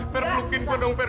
fir pelukin gue dong fir